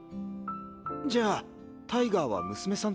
じゃあタイガーは娘さんと？